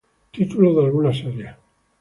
Títulos de algunas series